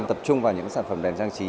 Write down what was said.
tập trung vào những sản phẩm đèn trang trí